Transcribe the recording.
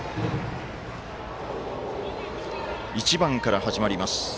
１番から始まります。